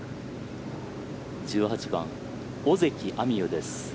１８番、尾関彩美悠です。